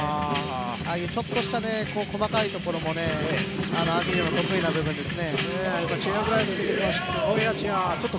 ああいうちょっとした細かいところもＡｍｉｒの得意なところです。